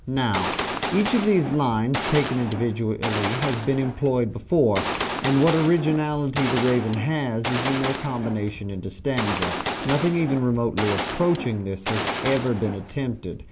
Now, each of these lines taken individually has been employed before, and what originality the "Raven" has, is in their combination into stanza; nothing even remotely approaching this has ever been attempted.